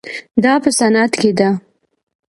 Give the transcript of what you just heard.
دا په صنعت کې ده.